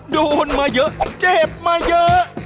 โดนมาเยอะเจ็บมาเยอะ